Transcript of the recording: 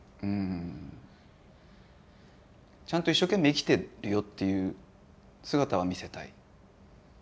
ちゃんと一生懸命生きてるよっていう姿は見せたい。